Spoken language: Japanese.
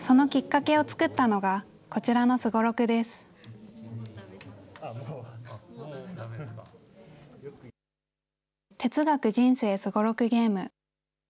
てつがく人生すごろくゲーム。